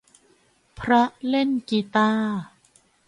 พระเล่นกีตาร์